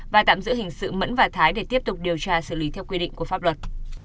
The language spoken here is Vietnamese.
và tạm giữ hình sự mẫn và thái để tiếp tục điều tra xử lý theo quy định của pháp luật